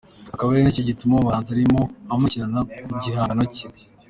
akaba ari nacyo gituma uyu muhanzi arimo amukurikirana ku gihangano cye.